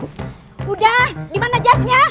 udah dimana jasnya